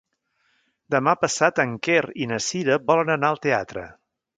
Demà passat en Quer i na Cira volen anar al teatre.